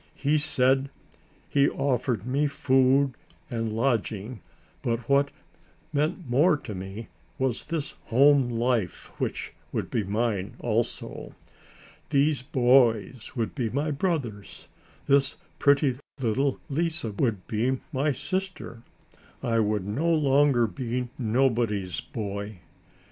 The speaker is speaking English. He said he offered me food and lodging, but what meant more to me was this home life which would be mine also. These boys would be my brothers. This pretty little Lise would be my sister. I would no longer be nobody's boy.